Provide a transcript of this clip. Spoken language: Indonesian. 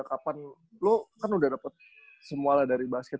kapan lo kan udah dapet semua lah dari basket